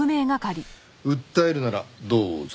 訴えるならどうぞ。